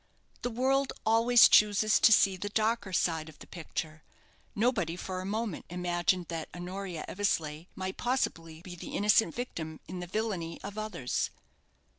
The world always chooses to see the darker side of the picture. Nobody for a moment imagined that Honoria Eversleigh might possibly be the innocent victim of the villany of others.